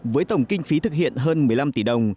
với tổng kinh phí thực hiện hơn một mươi năm tỷ đồng